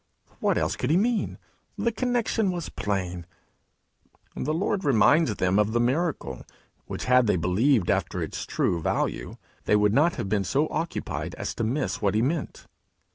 What else could he mean? The connection was plain! The Lord reminds them of the miracle, which had they believed after its true value, they would not have been so occupied as to miss what he meant.